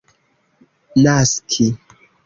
naski